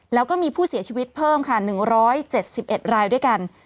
แล้วก็มีผู้เสียชีวิตเพิ่มค่ะ๑๗๑รายด้วยกัน